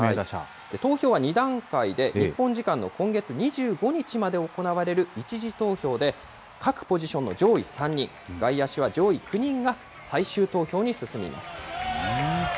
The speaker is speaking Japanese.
投票は２段階で、日本時間の今月２５日まで行われる１次投票で、各ポジションの上位３人、外野手は上位９人が最終投票に進みます。